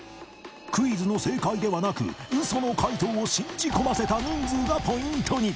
クイズの正解ではなく嘘の解答を信じ込ませた人数がポイントに！